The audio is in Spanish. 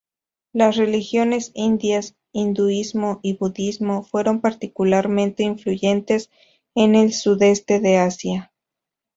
Las religiones indias, hinduismo y budismo, fueron particularmente influyentes en el sudeste de Asia.